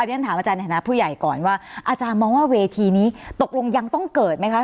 เรียนถามอาจารย์ในฐานะผู้ใหญ่ก่อนว่าอาจารย์มองว่าเวทีนี้ตกลงยังต้องเกิดไหมคะ